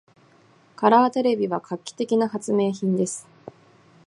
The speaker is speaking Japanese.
カラーテレビは画期的な発明品です。